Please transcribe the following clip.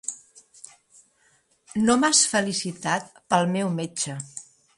No m"has felicitat pel meu metge.